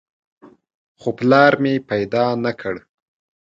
خو پلار مې پیدا نه کړ.